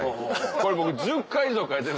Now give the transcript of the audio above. これ僕。